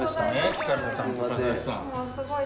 ちさ子さんと高橋さん。